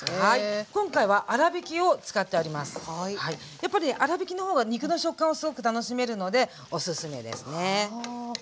やっぱりね粗びきの方が肉の食感をすごく楽しめるのでおすすめですね。